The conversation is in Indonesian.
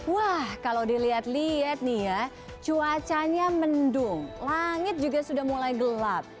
wah kalau dilihat lihat nih ya cuacanya mendung langit juga sudah mulai gelap